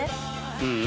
うん。